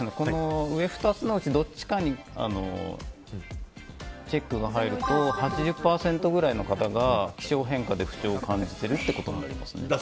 上２つのうちどっちかにチェックが入ると８０％ぐらいの方が気象変化で不調を感じているということになります。